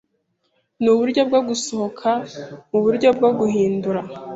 Nuburyo bwo gusohoka muburyo bwo guhindura